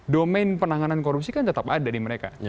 domain penanganan korupsi kan tetap ada di mereka